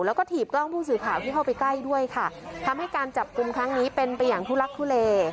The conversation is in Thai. แล้วก็ถีบกล้องผู้สื่อข่าวที่เข้าไปใกล้ด้วยค่ะทำให้การจับกลุ่มครั้งนี้เป็นไปอย่างทุลักทุเล